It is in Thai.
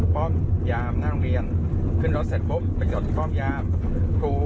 โทรมาขอไกลเกียร์อะไรพวกนี้ข้อเท็จจริงเป็นอย่างไร